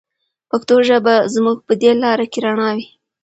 پښتو ژبه به زموږ په دې لاره کې رڼا وي.